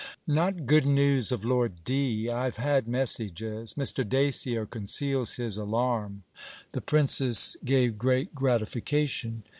'Not good news of Lord D. I have had messages. Mr. Dacier conceals his alarm. The PRINCESS gave great gratification.